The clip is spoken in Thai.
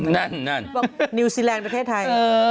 นั่นบอกนิวซีแลนด์ประเทศไทย